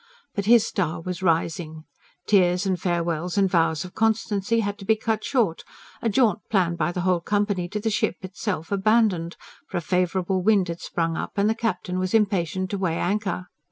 But his star was rising: tears and farewells and vows of constancy had to be cut short, a jaunt planned by the whole company to the ship itself abandoned; for a favourable wind had sprung up and the captain was impatient to weigh anchor.